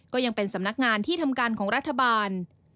ก็ยังเป็นสำนักงานที่ทำการของรัฐบาล